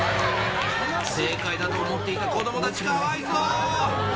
正解だと思っていた子どもたち、かわいそう。